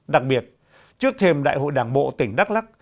đặc biệt trước thềm đại hội đảng bộ tỉnh đắk lắk